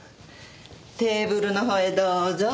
テーブルのほうへどうぞ。